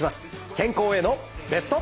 健康へのベスト。